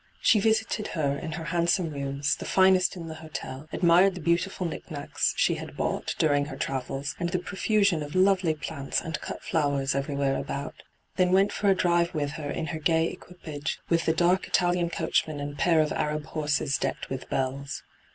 She visited her in her handsome rooms, the finest in the hotel, admired the .beautifiil knick knacks she had bought during her travels, and the profusion of lovely plants and cut flowers everywhere about ; then went for a drive with her in her gay equipage with the dark Italian coachman and pair of Ajab horses decked with bells.